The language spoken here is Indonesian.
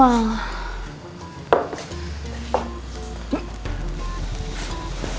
ah ada apa kan itu